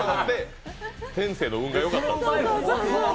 天性の運が良かったんですね。